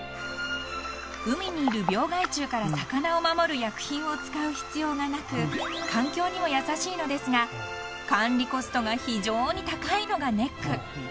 ［海にいる病害虫から魚を守る薬品を使う必要がなく環境にも優しいのですが管理コストが非常に高いのがネック］